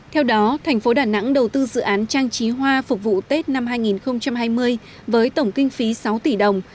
theo đó thành phố đà nẵng đầu tư dự án trang trí hoa phục vụ tết năm hai nghìn hai mươi với tổng kinh phí sáu tỷ đồng